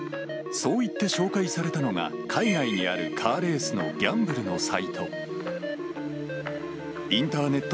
そう言って紹介されたのが、海外にあるカーレースのギャンブルのサイト。